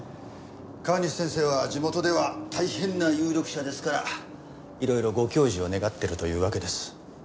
川西先生は地元では大変な有力者ですからいろいろご教示を願ってるというわけです。